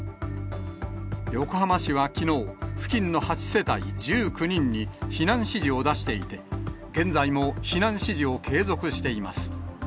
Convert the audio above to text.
横浜市はきのう、付近の８世帯１９人に、避難指示を出していて、現在も避難指示を継続しています。